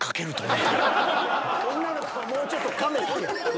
「女の子はもうちょっとカメ」って。